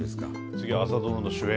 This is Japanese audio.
次は「朝ドラ」の主演